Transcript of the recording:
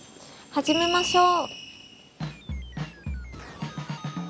始めましょう！